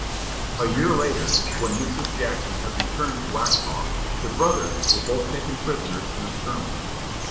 '" A year later, when Mrs. Jackson had returned to Waxhaw, the brothers were both taken prisoners in a skirmish.